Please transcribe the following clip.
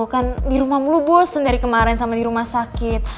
kan di rumah melubus dari kemarin sama di rumah sakit